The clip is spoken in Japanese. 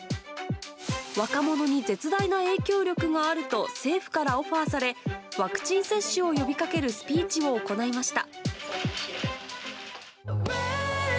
若者に絶大な影響力があると政府からオファーされワクチン接種を呼びかけるスピーチを行いました。